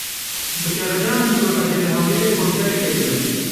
Bi kelecan im ku ez ê li Hewlêrê konserekê bidim.